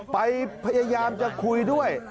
พยายามจะคุยด้วย